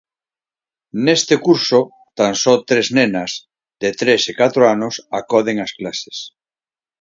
Neste curso, tan só tres nenas, de tres e catro anos, acoden ás clases.